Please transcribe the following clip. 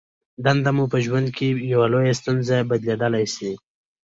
دنده مو په ژوند کې په لویې ستونزه بدلېدای شي.